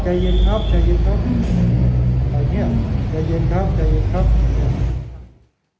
ใจเย็นครับใจเย็นครับอย่างเงี้ยใจเย็นครับใจเย็นครับอย่างเงี้ย